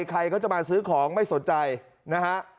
ใครก็จะมาซื้อของไม่สนใจนะฮะ